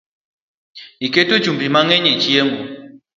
Iketo chumbi mangeny e chiemo